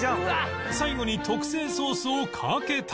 最後に特製ソースをかけたら